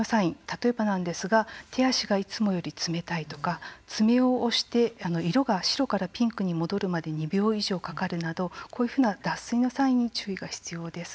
例えばなんですが手足がいつもより冷たいとか爪を押して色が白からピンクに戻るまで２秒以上かかるなどこういうふうな脱水のサインに注意が必要です。